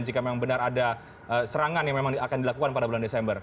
jika memang benar ada serangan yang memang akan dilakukan pada bulan desember